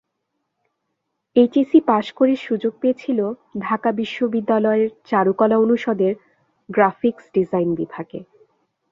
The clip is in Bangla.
এইচএসসি পাস করে সুযোগ পেয়েছিলেন ঢাকা বিশ্ববিদ্যালয়ের চারুকলা অনুষদের গ্রাফিকস ডিজাইন বিভাগে।